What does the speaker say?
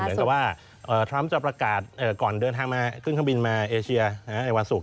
หมายถึงว่าตรัมป์คืนข้างบินมาเอเชียในวันศุกรณ์